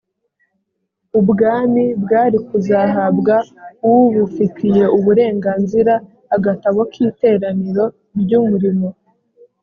ubwami bwari kuzahabwa ubufitiye uburenganzira agatabo k iteraniro ry umurimo